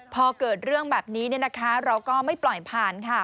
พอเกิดเรื่องแบบนี้เราก็ไม่ปล่อยผ่านค่ะ